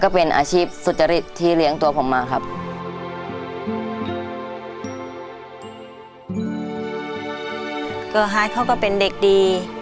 เกือบค่อยเขาก็เป็นเด็กดี